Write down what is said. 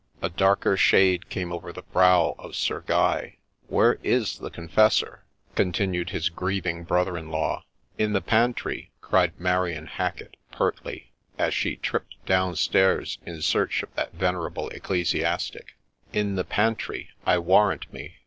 A darker shade came over the brow of Sir Guy. ' Where i» the Confessor ?' continued his grieving brother in law. THE LADY ROHESIA 167 ' In the pantry,' cried Marion Hacket pertly, as she tripped down stairs in search of that venerable ecclesiastic ;—' in the pantry, I warrant me.'